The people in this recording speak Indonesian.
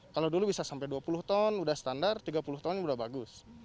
kalau dulu bisa sampai dua puluh ton sudah standar tiga puluh ton sudah bagus